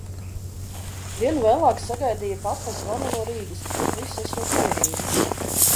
Dienu vēlāk sagaidīja papa zvanu no Rīgas, ka tur viss esot mierīgi.